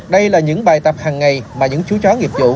đây là những bài tập hàng ngày mà những chú chó nghiệp vụ